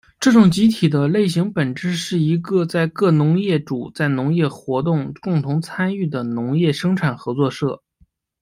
这种集体的类型本质上是一个在各农业主在农业活动共同参与的农业生产合作社。